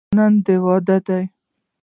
نن دې واده دی.